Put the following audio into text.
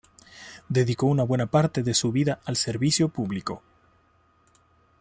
Dedicó una buena parte de su vida al servicio público.